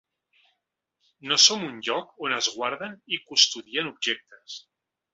No som un lloc on es guarden i custodien objectes.